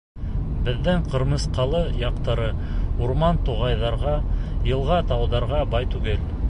Беҙҙең Ҡырмыҫҡалы яҡтары урман-туғайҙарға, йылға-тауҙарға бай түгел.